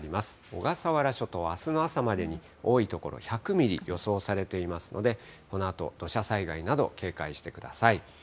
小笠原諸島、あすの朝までに多い所１００ミリ予想されていますので、このあと土砂災害など警戒してください。